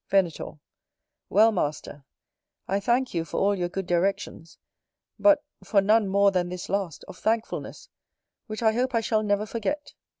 Venator. Well, Master, I thank you for all your good directions; but for none more than this last, of thankfulness, which I hope I shall never forget.